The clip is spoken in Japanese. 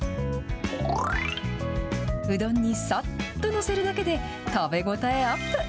うどんにさっと載せるだけで、食べ応えアップ。